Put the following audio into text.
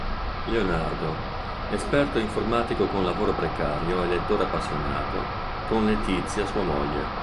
Leonardo, esperto informatico con lavoro precario e lettore appassionato con Letizia, sua moglie.